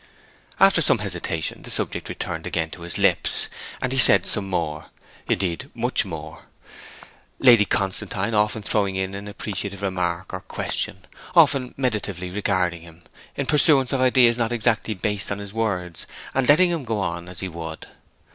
After some hesitation the subject returned again to his lips, and he said some more indeed, much more; Lady Constantine often throwing in an appreciative remark or question, often meditatively regarding him, in pursuance of ideas not exactly based on his words, and letting him go on as he would.